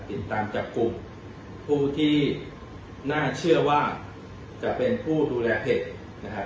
ติดตามจับกลุ่มผู้ที่น่าเชื่อว่าจะเป็นผู้ดูแลเพจนะครับ